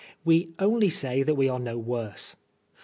We only say that we are no worse.